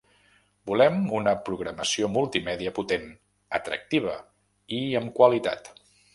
Volem una programació multimèdia potent, atractiva i amb qualitat.